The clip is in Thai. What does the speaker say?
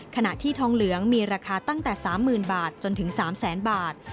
ขณะที่ทองเหลืองมีราคาตั้งแต่๓๐๐๐บาทจนถึง๓แสนบาท